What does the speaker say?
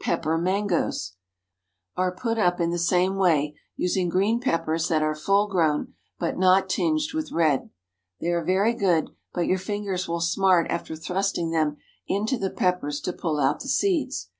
PEPPER MANGOES. ✠ Are put up in the same way, using green peppers that are full grown, but not tinged with red. They are very good, but your fingers will smart after thrusting them into the peppers to pull out the seeds.